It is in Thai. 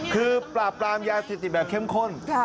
คือปราบกรามยาสิทธิแบบเข้มข้น